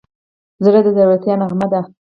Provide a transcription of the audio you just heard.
زړه د زړورتیا نغمه ده.